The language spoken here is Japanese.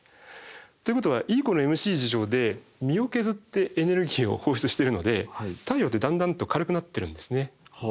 ということはＥ＝ｍｃで身を削ってエネルギーを放出してるので太陽ってだんだんと軽くなってるんですね。